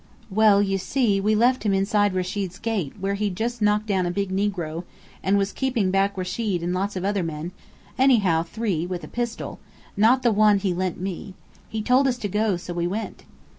"Well, you see, we left him inside Rechid's gate, where he'd just knocked down a big negro, and was keeping back Rechid and lots of other men anyhow three with a pistol not the one he lent me. He told us to go, so we went."